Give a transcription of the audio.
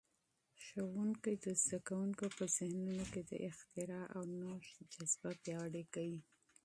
استاد د شاګردانو په ذهنونو کي د اختراع او نوښت جذبه پیاوړې کوي.